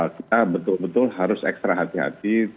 kita betul betul harus ekstra hati hati